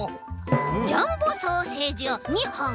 ジャンボソーセージを２ほん！